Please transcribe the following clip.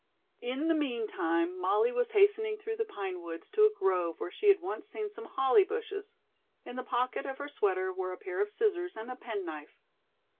In the meantime, Molly was hastening through the pine woods to a grove where she had once seen some holly bushes. In the pocket of her sweater were a pair of scissors and a penknife.